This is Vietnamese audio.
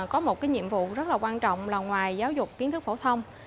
có một nhiệm vụ rất quan trọng là ngoài giáo dục kiến thức phổ thông